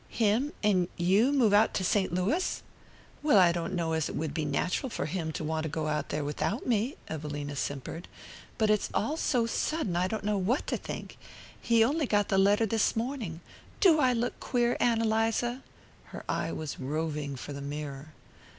"Him and you move out to St. Louis?" "Well, I don't know as it would be natural for him to want to go out there without me," Evelina simpered. "But it's all so sudden I don't know what to think. He only got the letter this morning. Do I look queer, Ann Eliza?" Her eye was roving for the mirror.